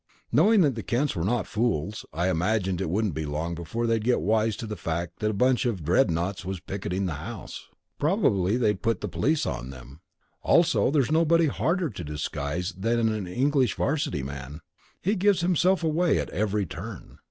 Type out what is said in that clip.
Knowing that the Kents were not fools, I imagined it wouldn't be long before they'd get wise to the fact that that bunch of dreadnoughts was picketing the house. Probably they'd put the police on them. Also, there's nobody harder to disguise than an English 'varsity man. He gives himself away at every turn.